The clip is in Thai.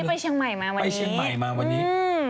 ไปเชียงใหม่มาวันนี้